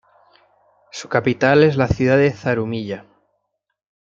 Su capital es la ciudad de Zarumilla.